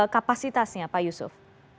kapasitasnya pak yusuf